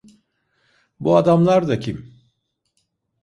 Bu adamlar da kim?